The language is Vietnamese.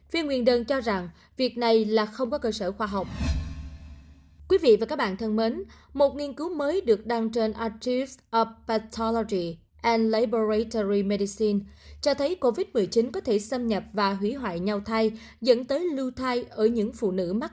phim nguyên đơn cho rằng việc này là không có cơ sở khoa học